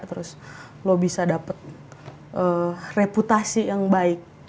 terus lo bisa dapat reputasi yang baik